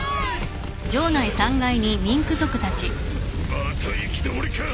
また行き止まりか！